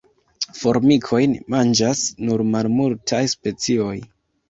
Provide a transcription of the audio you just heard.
Formikojn manĝas nur malmultaj specioj.